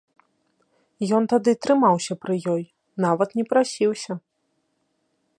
Ён тады трымаўся пры ёй, нават не прасіўся.